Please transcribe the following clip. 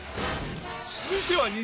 続いては。